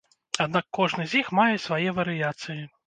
Аднак кожны з іх мае свае варыяцыі.